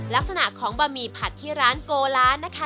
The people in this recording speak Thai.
ลักษณะของบะหมี่ผัดที่ร้านโกลานนะคะ